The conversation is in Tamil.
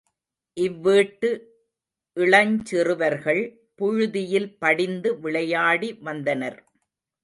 இவ்வீட்டு இளஞ்சிறுவர்கள் புழுதியில் படிந்து விளையாடி வந்தனர்.